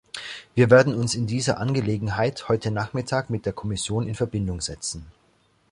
Wir werden uns in dieser Angelegenheit heute Nachmittag mit der Kommission in Verbindung setzen.